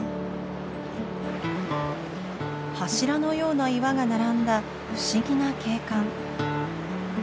柱のような岩が並んだ不思議な景観。